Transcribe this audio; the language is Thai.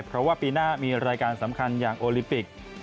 เพราะว่าปีหน้ามีรายการสำคัญอย่างโอลิมปิก